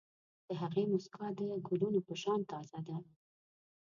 د هغې موسکا د ګلونو په شان تازه ده.